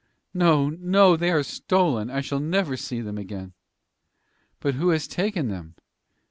"No, no! they are stolen. I shall never see them again." "But who has taken them?